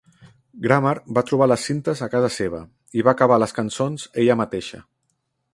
Grammer va trobar les cintes a casa seva i va acabar les cançons ella mateixa.